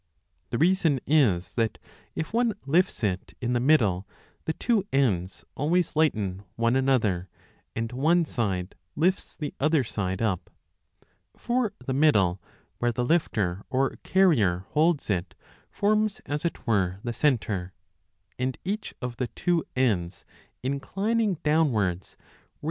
The reason is that, if one lifts it in the middle, the two ends always lighten one another, and one side lifts the other side up. For the middle, where the lifter or carrier holds it, forms, as it were, the centre, and each 15 of the two ends inclining downwards raises up and lightens 1 856 35 857* 4.